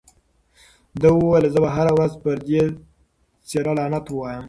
ده وویل چې زه به هره ورځ پر دې څېره لعنت وایم.